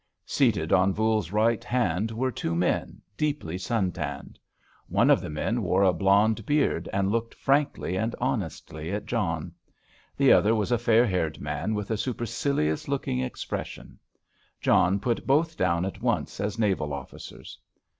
Seated on Voules's right hand were two men, deeply sun tanned. One of the men wore a blond beard, and looked frankly and honestly at John. The other was a fair haired man, with a supercilious looking expression. John put both down at once as naval officers.